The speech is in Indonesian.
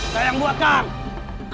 saya yang buat kang